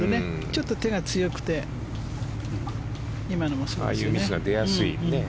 ちょっと手が強くて今のもそうですね。